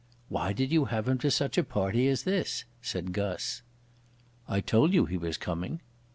"Why did you have him to such a party as this?" said Guss. "I told you he was coming."